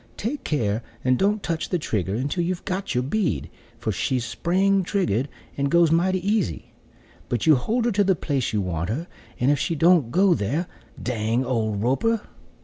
Take care and don't touch the trigger until you've got your bead; for she's spring trigger'd and goes mighty easy: but you hold her to the place you want her, and if she don't go there, dang old Roper."